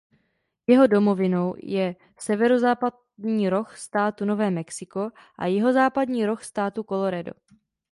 Jeho domovinou je severozápadní roh státu Nové Mexiko a jihozápadní roh státu Colorado.